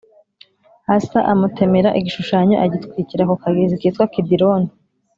Asa amutemera igishushanyo, agitwikira ku kagezi kitwa Kidironi,